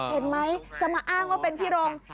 เห็นไหมจะมาอ้างว่าเป็นพี่รงค์